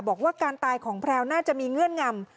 บอกว่าการตายของแพลวน่าจะมีเงื่อนงำ